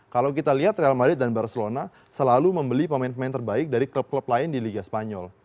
kalau kita lihat real madrid dan barcelona selalu membeli pemain pemain terbaik dari klub klub lain di liga spanyol